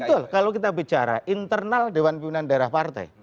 betul kalau kita bicara internal dewan pimpinan daerah partai